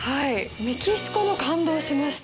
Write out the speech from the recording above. メキシコも感動しました。